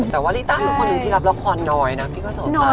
แต่ว่าลิต้าเป็นคนหนึ่งที่รับละครน้อยนะพี่ก็สนใจ